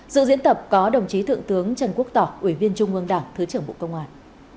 dự diễn tập có đồng chí thượng tướng trần quốc tỏ ủy viên trung ương đảng thứ trưởng bộ công an